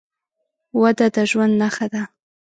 وده د ژوند نښه ده.